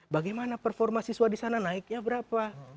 bagaimana performa siswa di sana naiknya berapa